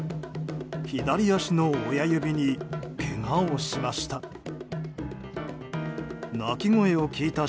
左足の親指にけがをしました。